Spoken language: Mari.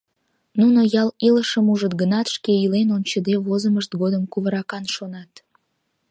Нуно ял илышым ужыт гынат, шке илен ончыде, возымышт годым кувыракан шонат.